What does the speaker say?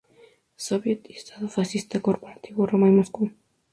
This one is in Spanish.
Soviet y Estado fascista corporativo, Roma y Moscú.